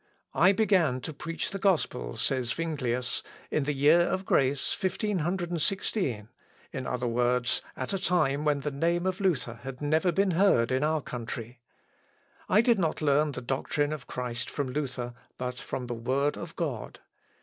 "I began to preach the gospel," says Zuinglius, "in the year of grace, 1516, in other words, at a time when the name of Luther had never been heard of in our country. I did not learn the doctrine of Christ from Luther, but from the word of God.